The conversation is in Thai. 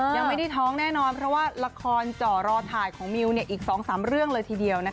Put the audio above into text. ยังไม่ได้ท้องแน่นอนเพราะว่าละครจ่อรอถ่ายของมิวอีก๒๓เรื่องเลยทีเดียว